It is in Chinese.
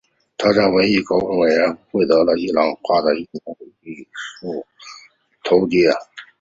他在文艺高级委员会获得了伊朗绘画和伊斯兰艺术博士头衔。